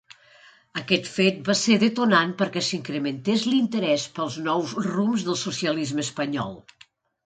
Aquest fet va ser detonant perquè s'incrementés l'interès pels nous rumbs del socialisme espanyol.